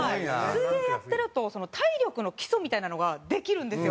水泳やってると体力の基礎みたいなのができるんですよ。